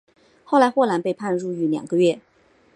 后来霍兰被判入狱两个月。